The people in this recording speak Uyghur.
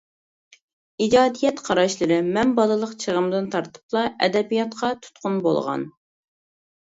ئىجادىيەت قاراشلىرى: مەن بالىلىق چېغىمدىن تارتىپلا ئەدەبىياتقا «تۇتقۇن بولغان» .